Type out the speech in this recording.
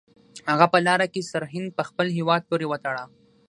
هغه په لاره کې سرهند په خپل هیواد پورې وتاړه.